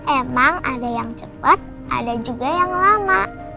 emang ada yang cepat ada juga yang lama